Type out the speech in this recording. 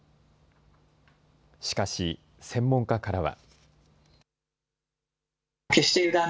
しかし、専門家からは。